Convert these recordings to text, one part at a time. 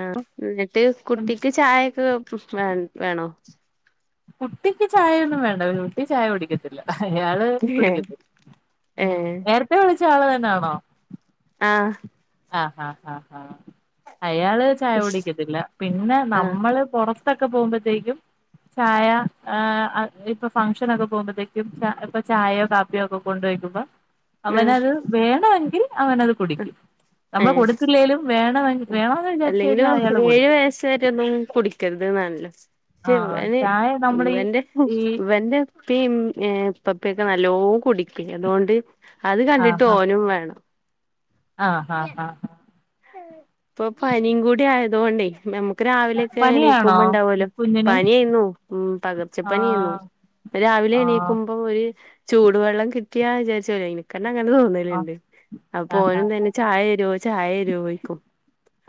ആ എന്നിട്ട് കുട്ടിക്ക് ചായൊക്കെ വേണോ കുട്ടിക്ക് ചായയൊന്നും വേണ്ട കുട്ടി ചായ കുടിക്കു അയാള് ഏഹ് കുടിക്കത്തില്ല ഉ നേരത്തെ വിളിച്ച ആള് തന്നെ യാണോ ആഹ് ആഹഹാ ആ ഹാ അയാള് ചായ കുടിക്കത്തില്ല പിന്നെ ആഹ് നമ്മള് പുറത് ത്തൊക്കെ പോകുമ്പോഴത്തേക്കും ചായ ആ ഇപ്പൊ ഫംഗ്ഷനൊക്കെ പോകുമ്പോഴത്തേക്കും ഇപ്പൊ ചായൊകാപ്പി ഒക്കെ കൊണ്ട വയ്ക്കുമ്പ ആഹ് അവനത് വേണമെങ്കിൽ അവനത് കുടിക്കും നമ്മൾ ഏഹ് കൊടുത്തില്ലേലും വേണമെങ്കിൽ വേണോന്ന് വിചാരിച്ചു അല്ലെങ്കിലും കഴിഞ്ഞാൽ അയാള് ഏഴ് കുടിക്കും വയസ്സ് വരെ ഒന്നും കുടിക്കരുത് എന്നാണല്ലോ ആഹ് ഇവന് ചായ നമ്മളീ ഇവന്റെ പു ഈ ഇവന്റെ ഇപ്പി ഇപ്പപ്പയൊക്കെ നല്ലോണം കുടിക്കും അതുകൊണ്ട് അത് കണ്ടിട്ട് ആഹ് ആഹ് ഓനും വേണം ആഹ് ആഹ ആഹ് ഇപ്പൊ പനിയും കൂടി ആയത കൊണ്ടേ നമക്ക് രാവിലെയൊക്കെ പനിയാണോ എനീക്കുമ്പോ ഇണ്ടാവലോ കുഞ്ഞിന് പനിന്നു ഉ പകർച്ചപ്പനിന്നു ആഹ് രാവിലെ ആഹ് എണീക്കുമ്പോ ഒരു ചൂടുവെള്ളം കിട്ടിയാ വിചാരിച്ചലേ കാരണം അങ്ങനെ തോന്നലുണ്ട് അപ്പ ആഹ് ഓനും തന്നെ ചായ തരോ ചായ രോ ചോയിക്കും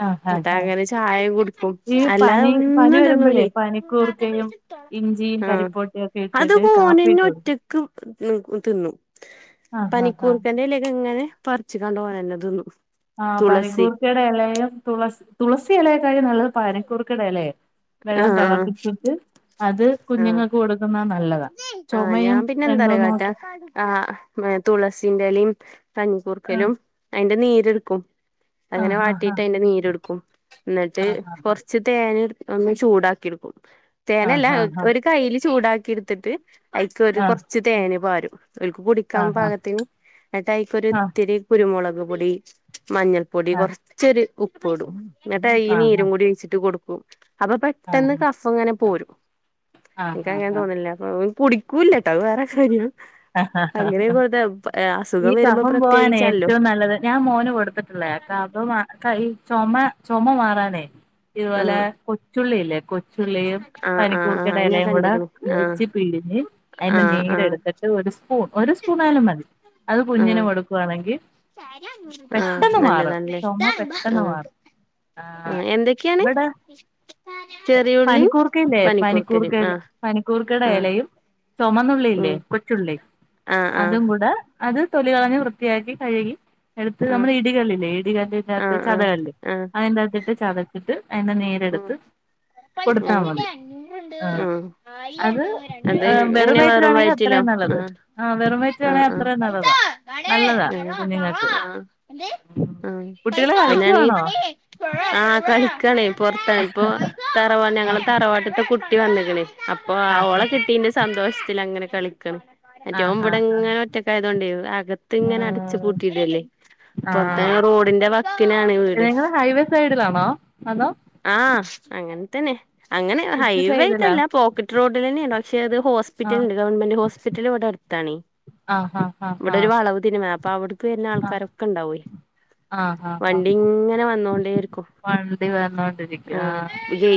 ആഹ് ആഹ് ന്നട്ട ആഹ് അങ്ങനെ ചായ കുടു ഈ അല്ലാതെ പനി പനി ഒന്നും വരുമ്പോഴേ തിന്നൂലേ പനിക്കൂർക്കയും ഇഞ്ചിയും ആഹ കരിപ്പോട്ടിയും ഒക്കെ അത് ഇട്ടിട്ട് പ്പൊ കാപ്പി ഓനെന്നെ ഇട്ട് കൊടുക്കും ഒറ്റക്ക് തിന്നും ആഹ് ആഹ് ആഹ് പനിക്കൂർക്കണ്ടലേക്ക ഇങ്ങനെ പറിച്ച കണ്ട് ഓനെന്നെ തിന്നും ആ തുളസി പനിക്കൂർക്കയുടെ ഇലയും തുളസി തുളസി ഇലയക്കായി നല്ലത് പനിക്കൂർക്കയുടെ ഇലയെ വെള്ളം ആഹ് ആഹ് തിളപ്പിച്ചിട്ട് അത് ആഹ് കുഞ്ഞുങ്ങൾക്ക് കൊടുക്കുന്ന നല്ലത ആഹ് ഞാൻ പിന്നെ എന്താറ കാട്ട ആ തുളസിന്റെലയും ആഹ് കഞ്ഞിക്കൂർക്കലും അതിന്റെ നീരെടുക്കും അങ്ങനെ ആഹ് വാട്ടിട്ട് അതിന്റെ നീര്ടുക്കും എന്നിട്ട് ആഹ് കൊറച്ച് തേന ഒന്ന് ചൂടാക്കി എടുക്കും തേനല്ല ആഹ് ആഹ് ഒരു കയ്യില് ചൂടാക്കി എടുത്തിട്ട് ഐക്ക് ഒരു കുറച്ച് തേൻ പാരും. ഓൽക്ക് കുടിക്കാൻ ആഹ് പാകത്തിന്. ന്നട്ട് ഐക്ക് ആഹ് ആഹ് ഇത്തിരി കുരുമുളക് പൊടി മഞ്ഞൾപ്പൊടി ആഹ് കൊറച്ചൊരു ഉപ്പ് ഇടും എന്നിട്ടാ ആഹ് ആഹ് ആഹ് ഈനീരും കൂടി ഒഴിച്ചിട്ട് കൊടുക്കും അപ്പൊ ആഹ് ആഹ് പെട്ടെന്ന് കഫംങ്ങനെ പോരും. ആഹ് ൻക്ക്ക്ക് ആഹ് അങ്ങനെ ആഹ് തോന്നൽ ഓൽ കു കൂല ട്ടോ അത് വേറെ കാര്യം ആ അങ്ങനെ കൊടുത്ത ഈ അസുഖം വരുമ്പോ കഫം പോവാന പ്രത്യേകിച്ചാണല്ലോ ഏറ്റവും നല്ലത് ഞാൻ മോന് കൊടുത്തിട്ട [unintelligible] ക ഈ ചുമ ചുമ മാറാനേ ഇതുപോലെ ആഹ് കൊച്ചുള്ളില്ലേ കൊ ചുള്ളിയും ആഹ് ആഹ് പനിക്കൂർക്കട ആഹ് ഞാൻ ഇലയും കൂടെ കണ്ട്ക്ക്ണ് ആഹ് ഇടിച്ച് പിഴിഞ്ഞ് അതിന്റെ ആഹ് ആഹ് നീരെടുത്ത് സ്പൂൺ ഒരു സ്പൂണ ആയാലും മതി അത് കുഞ്ഞിന് ആഹ് കൊടുക്കുവാണെങ്കിൽ ആഹ് പെട്ടെന്ന് മാറും നല്ലതാണല്ലേ ചുമ പെട്ടെന്ന് ആഹ് മാറും ആഹ ആഹ് എന്തൊക്കെയാണ് ഇവിടെ ചെറിയുള്ളി പനിക്കൂർക്കല്ലേ പനിക്കൂർക്കലും പനിക്കൂർക്കല്ല ആഹ് പനിക്കൂർക്കട ആഹ് ഇലയും ചുമന്നുള്ളിയില്ലേ ഉം കൊച്ചുള്ളി ആഹ് ആഹ് അതും കൂടെ അത് തൊലികളഞ്ഞ് വൃത്തിയാക്കി കഴുകി എടുത്ത് ആഹ് നമ്മള് ഇടികല്ലില്ലേ ഇടികല്ലിനകത്ത് ആഹ് ആഹ് ചതകല്ല് ആഹ് അങ്ങനന്ത്തിട്ട് ചത ച്ചിട്ട് അതിന്റെ നീരെടുത്ത് കൊടുത്താ മ് മതി മ് ആഹ് അത് അത് എങ്ങന വെറും വയറ്റിലാണെങ്കി വയറ്റി ലോ അത്രയും ആ നല്ലത് ആഹ് വെറും ആ വയറ്റിലാണെ ആ അത്രയും നല്ലതാ ആ നല്ലതാ കുഞ്ഞുങ്ങൾക്ക് ആ കുട്ടികള് അങ്ങാനാണെങ്കി കളിക്കുവാണോ ആ കളിക്കണേ പൊറത്താണ് ഇപ്പൊ തറവാ ഞങ്ങള് ആഹ് തറവാട്ടത്തെ കുട്ടി വന്നിക്കണേ അപ്പൊ ആ ആഹ് ഓളെ കിട്ടീന്റെ സന്തോഷത്തി അങ്ങനെ കളിക്കണ് മറ്റേ ഓൻ ആഹ് മ്പട ആഹ് ഇങ്ങനെ ഒറ്റക്കായയതോണ്ടേ അകത്ത് ഇങ്ങനെ അടച്ചു ആഹ് പൂട്ടിടല്ലേ പൊറത്തെ ആഹ് റോഡിന്റെ വക്കിനാണ് വീട് നിങ്ങള് ഹൈവേ സൈഡിലാണോ അതോ ആഹ് അങ്ങനെ തന്നെ അങ്ങനെ സിറ്റി സൈഡിലാ ഹൈവേട്ടല്ല പോക്കറ്റ് റോഡിലന്നെയാണ് പക്ഷെ അത് ഹോസ് ആഹ് ഹോ്പിറ്റലണ്ട് ഗവൺമെന്റ് ഹോസ്പിറ്റൽ ഇവിടെ അടുത്താണെ ആഹ് ആഹ് ആഹ് ഇവിടെ ഒരു ആഹ് വളവ് തിരുയുമ്പ അപ്പൊ അവിടെ വരുന്ന ആൾക്കാരൊക്കെ ഉണ്ടാവയി ആഹ് ആഹ് ആഹ് വണ്ടി ആഹ് ഇങ്ങനെ വന്നോണ്ടേരിക്കും വണ്ടി വന്നോണ്ടിരിക്കും ആ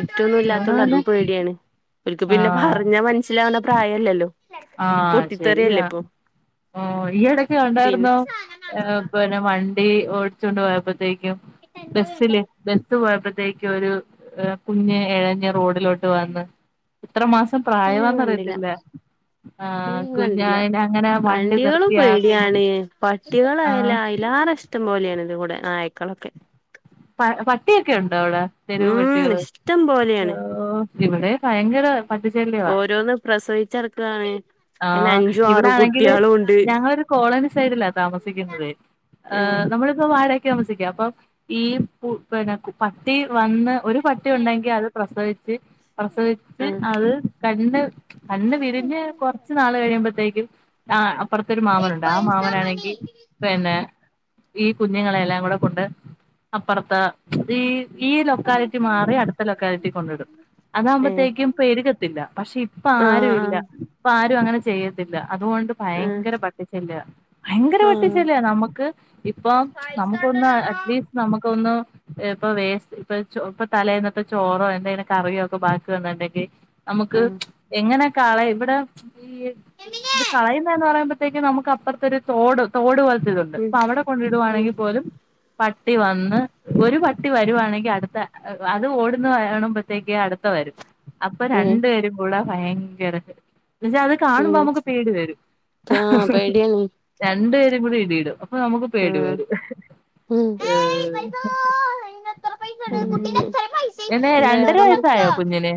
മുറ്റൊന്നും ഇല്ലാത്തൊണ്ട് അതും പേടിയാണ് ഒരിക്ക് പിന്നെ ആഹ് പറഞ്ഞാ മനസ്സിലാവുന്ന പ്രായല്ലല്ലോ ആ പൊട്ടിത്തെറിയല്ലേ ശരിയാ ഇപ്പൊ ഓ ഈയിടക്ക് പിന്നെ കണ്ടായിരുന്നോ പിന്നെ വണ്ടി ഓടിച്ചൊണ്ട് പോയപ്പോത്തേക്കും ബസില് ബസ് പോയപ്പോഴത്തേക്കും ഒരു കുഞ്ഞ് എഴഞ്ഞ് റോഡിലോട്ട് വന്ന് ഇത്ര മാസം അത് ഞാൻ കണ്ടില്ല പ്രായമാന്നറിയത്തില്ല അത് ആഹ് ഞാൻ കണ്ടില്ല കുഞ്ഞായിനെ അങ്ങനെ വണ്ടി വണ്ടികളും നിർത്തി ആ കുഞ്ഞ് പേടിയാണ് ആഹ് പട്ടികളായാ എല്ലാരും ഇഷ്ടം പോലെയാണ് ഇത് ഇവിടെ നായക്കളൊക്കെ പട്ടിയൊക്കെ ഉണ്ട് അവിടെ തെരുവ് ഉം പട്ടികള് ഇഷ്ടം ഓ പോലെയാണ് ഇവിടെ ഭയങ്കര പട്ടിശല്യവാ ഓരോന്ന് പ്രസവിച്ചടക്കാണ് അതിന് ആഹ് അഞ്ചും ആറും ഇവിടാണെങ്കില് കുട്ടികളും ഉണ്ട് ഞങ്ങളൊരു കോളനി സൈഡില താമസിക്കുന്നതെ ഏഹ് നമ്മളിപ്പോ വാടക ക്ക്‌ താമസിക്കുക അപ്പൊ ഈ പിന്നെ പട്ടി വന്ന് ഒരു പട്ടി ഉണ്ടെങ്കിൽ അത് പ്രസവിച്ച് പ്രസവിച്ച് ആഹ് അത് കണ് കണ്ണ് വിരിഞ്ഞ് കൊറ കുറച്ച് നാള് കഴിയുമ്പോഴത്തേക്കും ആ അപ്പുറത്തൊരു മാമനുണ്ട് ആ മാമനാണെങ്കിൽ പിന്നെ ഈ കുഞ്ഞുങ്ങളെല്ലാം കൂടെ കൊണ്ട് അപ്പുറത്തെ ഈ ഈ ലൊക്കാലിറ്റി മാറി അടുത്ത ലൊക്കാലിറ്റി കൊണ്ടിടും ഏഹ് അതാവകുമ്പോത്തേക്കും പെരുകത്തില്ല പക്ഷെ ഇപ്പ ആഹ് ആരും ഇല്ല ആഹ് ഇപ്പൊ ആരും അങ്ങനെ ചെയ്യത്തില്ല അതുകൊണ്ട് ഭയങ്കര പട്ടിശല്യ ഭയങ്കര ആഹ് ആഹ് പട്ടിശല്യ നമുക്ക് ഇപ്പൊ നമുക്ക് ഒന്ന് അറ്റ്ലീസ്റ്റ് നമുക്ക്‌ ഒന്ന് ഇപ്പൊ വേസ്റ്റ് ഇപ്പ ഇപ്പൊ തലേന്നത്തെ ചോറോ എന്തെലുക്കെ കറിയോ ഒക്കെ ബാക്കി വന്നിണ്ടെങ്കി നമുക്ക് ആഹ് എങ്ങനെക്കെ ആളെ ഇവിടെ ഈ ഇത് കളയുന്ന എന്ന് പറയുമ്പോത്തേക്ക നമുക്ക് അപ്പുറത്തൊ ഒരു തോടും തോട് പോലത്തെഇതുണ്ട് ഉം അപ്പൊ അവിടെ ഉം കൊണ്ടിടവാണെങ്കിൽ പോലും പട്ടി വന്ന് ഒരു പട്ടി വരുവാണെങ്കിൽ അടുത്ത അത് ഓടന്ന് കാണുമ്പോത്തേക്ക് അടുത്ത വരും അപ്പൊ ഉം രണ്ടു പേരും കൂടെ ഭയങ്കര എന്നച്ചാ അത് കാണുമ്പോ ഉം നമുക്ക് പേടി വരും ആ പേടിയാണ് രണ്ടു പേരും കൂടെ ഇടിയിടും അപ്പൊ നമുക്ക് പേടി ആഹ് വരും പിന്നെ ഉം രണ്ടര വേറെന്ന വയസ്സായോ കുഞ്ഞിന്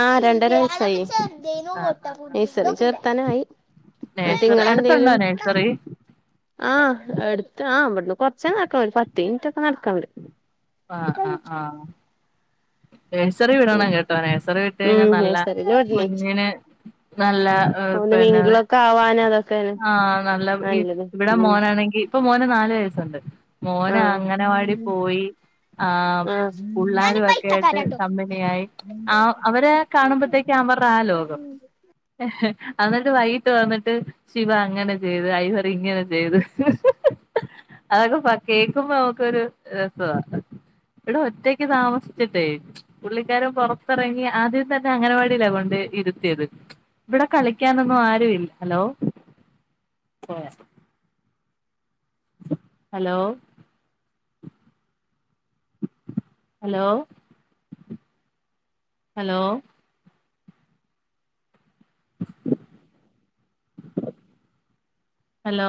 ആ രണ്ടര വയസായി ആ ആ ആ ആ നഴ്സറി ചേർത്താന ആയി നേഴ്സറി അടുത്തുണ്ടോ അന്നിട്ടിങ്ങളെന്തെലും നേഴ്സറി ആഹ് അടുത്ത് ആ ഇവിടുന്ന് കൊറച്ച നടക്കാൻവും പത്ത് മിനിറ്റ് ഒക്കെ നടക്കാണ്ട് ആഹ് ആ ആഹ് നഴ്സറി വിടണം കേട്ടോ നഴ്സറി വിട്ട് കഴിഞ്ഞാൽ ഉം നല്ല നഴ്സറില് വിടണേ കുഞ്ഞിന് നല്ല ഒന്ന് പിന്നെ മിങ്കിളൊക്കെ ആവാന് അതൊക്കെയാണ് ആ നല്ല നല്ലത് ഇവിടെ ഉം മോനാണെങ്കിൽ ഇപ്പൊ മോന് നാല് വയസ്സുണ്ട് മോന ആഹ് അങ്ങനവാടി പോയി ആ ആഹ് പിള്ളേരുവാ യിട്ട് കമ്പിനിയായി ആ അവരെ കാണുമ്പോത്തേക്ക അവരുടെ ആ ലോകം ഏഹ് എന്നിട്ട് വൈകിട്ട് വന്നിട്ട് ശിവ അങ്ങനെ ചെയ്ത് ഐഹറി ഇങ്ങനെ ചെയ്ത് അതൊക്കെ കേക്കുമ്പോ നമുക്കൊരു രസ ഇവിടെ ഒറ്റക്ക് താമസ ട്ട പുള്ളിക്കാരും പുറത്തിറങ്ങി ആദ്യം തന്നെ അംഗനവാടിയില കൊണ്ട് ഇരുത്തിയത് ഇവിടെ കളിക്കാനൊന്നും ആരുല്ല ഹലോ പോയ ഹലോ ഹലോ ഹലോ [inaudible] ഹലോ